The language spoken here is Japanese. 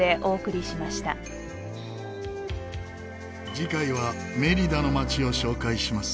次回はメリダの街を紹介します。